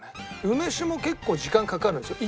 梅酒も結構時間かかるんですよ。